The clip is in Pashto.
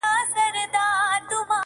• خولگۍ راکه شل کلنی پسرلی رانه تېرېږی -